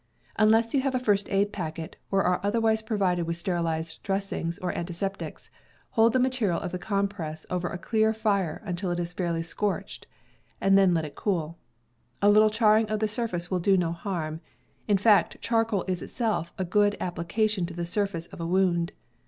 Unless you have a first aid packet, or are otherwise provided with sterilized dressings or anti septics, hold the material of the compress over a clear fire until it is fairly scorched; then let it cool. A little charring of the surface will do no harm; in fact, char coal is itself a good application to the surface of a wound.